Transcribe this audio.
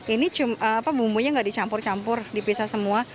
ini bumbunya nggak dicampur campur dipisah semua